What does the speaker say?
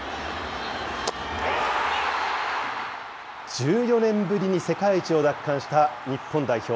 １４年ぶりに世界一を奪還した日本代表。